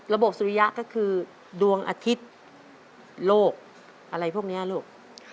สุริยะก็คือดวงอาทิตย์โลกอะไรพวกนี้ลูก